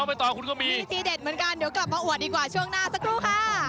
มันก็มีเด็ดเหมือนกันเดี๋ยวกลับมาอ่วนดีกว่าช่วงหน้าสักครู่ค่ะ